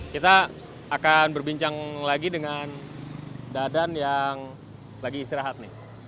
kita akan berbincang lagi dengan dadan yang lagi istirahat nih